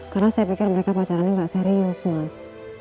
karena saya pikir mereka pacarannya gak serius mas